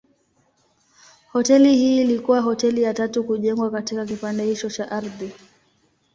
Hoteli hii ilikuwa hoteli ya tatu kujengwa katika kipande hicho cha ardhi.